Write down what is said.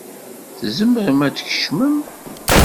Tzemrem ad d-tkecmem.